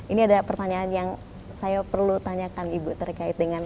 ini ada pertanyaan yang saya perlu tanyakan ibu terkait dengan